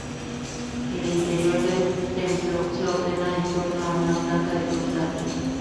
El interior del templo se ordena en torno a una planta de cruz latina.